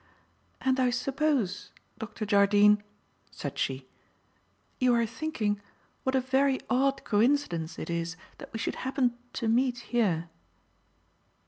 "And I suppose. Dr. Jardine," said she, "you are thinking what a very odd coincidence it is that we should happen to meet here?"